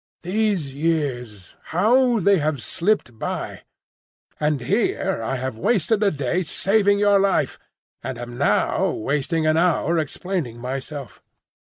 "These years! How they have slipped by! And here I have wasted a day saving your life, and am now wasting an hour explaining myself!"